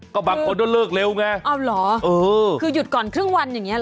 ก็บางคนก็เลิกเร็วไงเอาเหรอเออคือหยุดก่อนครึ่งวันอย่างเงี้เหรอ